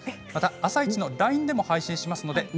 「あさイチ」のＬＩＮＥでも配信します。